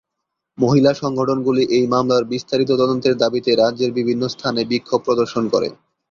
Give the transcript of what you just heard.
মহিলা সংগঠনগুলি এই মামলার বিস্তারিত তদন্তের দাবিতে রাজ্যের বিভিন্ন স্থানে বিক্ষোভ প্রদর্শন করে।